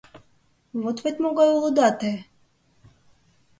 Вот вет могай улыда те...